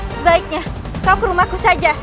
sebaiknya kau ke rumahku saja